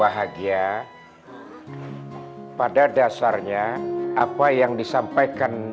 hai pada dasarnya apa yang disampaikan